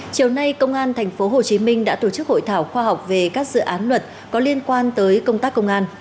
chiều nay công an thành phố hồ chí minh đã tổ chức hội thảo khoa học về các dự án luật có liên quan tới công tác công an